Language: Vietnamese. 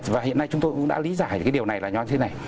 và hiện nay chúng tôi cũng đã lý giải được cái điều này là như thế này